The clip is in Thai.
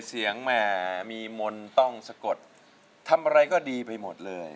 อ่อนมีลังมามีมนต้องสะกดทำอะไรก็ดีไปหมดเลย